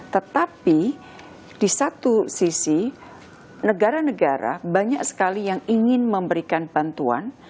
tetapi di satu sisi negara negara banyak sekali yang ingin memberikan bantuan